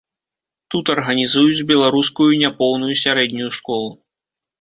Тут арганізуюць беларускую няпоўную сярэднюю школу.